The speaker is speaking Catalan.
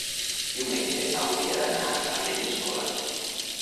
Diumenge hauria d'anar a Peníscola.